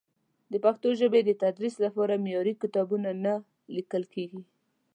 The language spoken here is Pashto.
د پښتو ژبې د تدریس لپاره معیاري کتابونه نه لیکل کېږي.